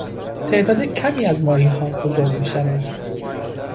تعداد کمی از ماهیها بزرگ میشوند.